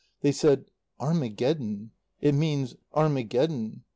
They said "Armageddon. It means Armageddon."